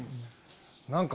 何か。